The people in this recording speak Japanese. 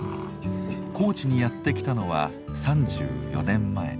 高知にやって来たのは３４年前。